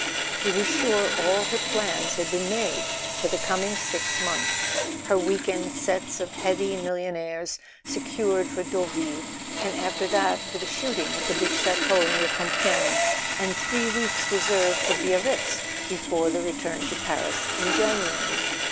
" He was sure all her plans had been made for the coming six months: her week end sets of heavy mil¬ lionaires secured for Deauville, and after that for the shooting at the big chateau near Compiegne, and three [ 89 ] A SON AT THE FRONT weeks reserved for Biarritz before the return to Paris in January.